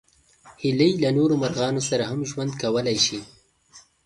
هیلۍ له نورو مرغانو سره هم ژوند کولی شي